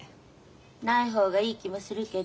ない方がいい気もするけど。